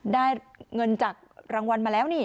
ได้เงินจากรางวัลมาแล้วนี่